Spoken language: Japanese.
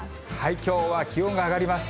きょうは気温が上がります。